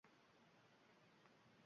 Shuhrat kelib qasos olar.